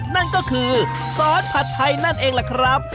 นั่นก็คือซอสผัดไทยนั่นเองล่ะครับ